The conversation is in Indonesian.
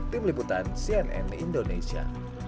tim liputan cnn indonesia